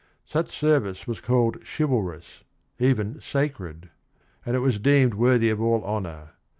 Such service was called chivalrous, even sacred, and it was deemed worthy of all honor.